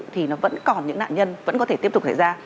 thì nó vẫn còn những nạn nhân vẫn có thể tiếp tục xảy ra